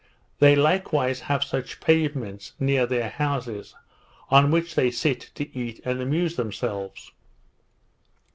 They likewise have such pavements near their houses, on which they sit to eat and amuse themselves.